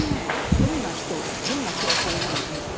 どんな人をどんな暮らしをイメージしますか？